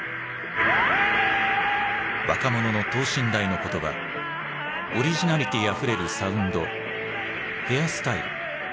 若者の等身大の言葉オリジナリティーあふれるサウンドヘアスタイル。